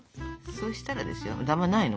そしたらですよダマないの？